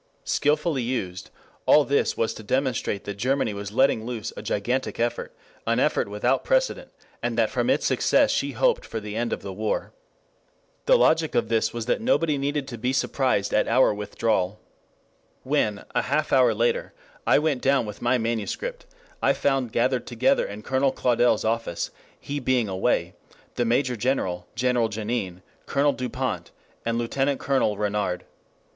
Skilfully used, all this was to demonstrate that Germany was letting loose a gigantic effort, an effort without precedent, and that from its success she hoped for the end of the war. The logic of this was that nobody need be surprised at our withdrawal. When, a half hour later, I went down with my manuscript, I found gathered together in Colonel Claudel's office, he being away, the major general, General Janin, Colonel Dupont, and Lieutenant Colonel Renouard.